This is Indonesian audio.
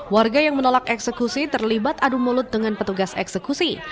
warga yang menolak eksekusi terlibat adu mulut dengan petugas eksekusi